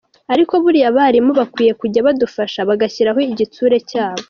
Ariko buriya abarimu bakwiye kujya badufasha bagashyiraho igitsure cyabo".